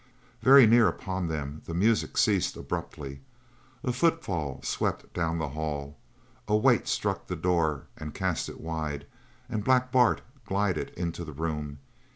Very near upon them the music ceased abruptly. A footfall swept down the hall, a weight struck the door and cast it wide, and Black Bart glided into the room.